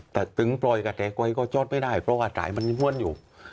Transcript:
แต่ถึงปล่อยกระแสก๊วยก็จอดไม่ได้เพราะว่าสายมันม้วนอยู่